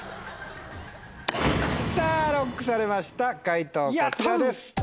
さぁＬＯＣＫされました解答こちらです。